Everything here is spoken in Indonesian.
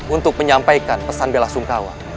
untuk menyampaikan pesan bela sungkawa